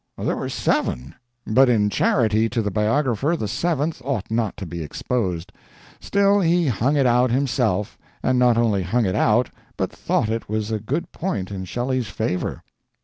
There were seven; but in charity to the biographer the seventh ought not to be exposed. Still, he hung it out himself, and not only hung it out, but thought it was a good point in Shelley's favor.